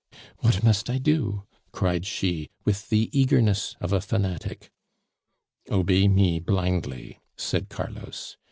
"What must I do?" cried she, with the eagerness of a fanatic. "Obey me blindly," said Carlos.